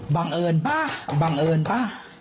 บังเอิญป่ะบังเอิญป่ะ